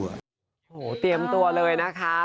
โอ้โหเตรียมตัวเลยนะคะ